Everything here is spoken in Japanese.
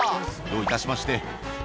「どういたしまして」